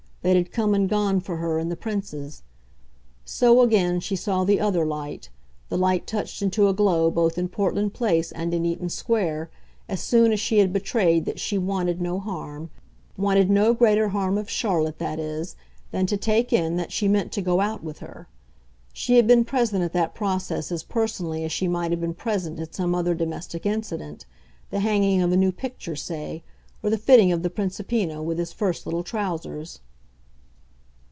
that had come and gone for her in the Prince's. So again, she saw the other light, the light touched into a glow both in Portland Place and in Eaton Square, as soon as she had betrayed that she wanted no harm wanted no greater harm of Charlotte, that is, than to take in that she meant to go out with her. She had been present at that process as personally as she might have been present at some other domestic incident the hanging of a new picture, say, or the fitting of the Principino with his first little trousers.